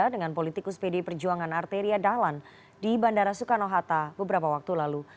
dengan politikus pdi perjuangan arteria dahlan di bandara soekarno hatta beberapa waktu lalu